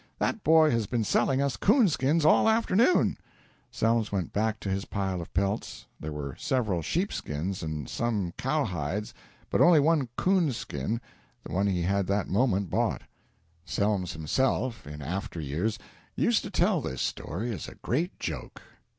That boy has been selling us 'coonskins all the afternoon." Selms went back to his pile of pelts. There were several sheep skins and some cow hides, but only one 'coon skin the one he had that moment bought. Selms himself, in after years, used to tell this story as a great joke.